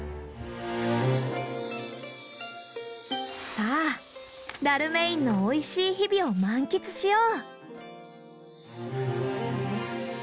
さあダルメインのおいしい日々を満喫しよう！